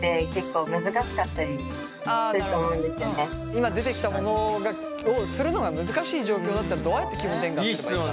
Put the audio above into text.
今出てきたものをするのが難しい状況だったらどうやって気分転換するんだ。